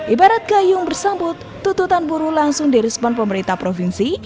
ibarat gayung bersambut tututan buruh langsung direspon pemerintah provinsi